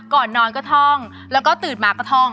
ก่อนนอนก็ท่องแล้วก็ตื่นมาก็ท่อง